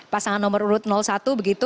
pasangan nomor urut satu begitu